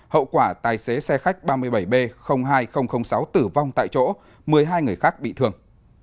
hậu quả tài xế xe khách ba mươi bảy b hai sáu tử vong tại chỗ một mươi hai người khác bị thương